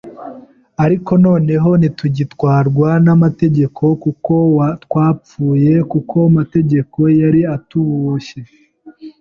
Ariko noneho ntitugitwarwa n’amategeko kuko twapfuye ku mategeko yari atuboshye